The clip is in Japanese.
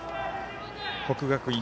国学院